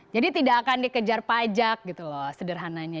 jadi tidak akan dikejar pajak gitu loh sederhananya